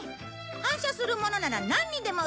反射するものならなんにでも映せる